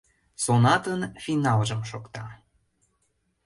Сонатын финалжым шокта.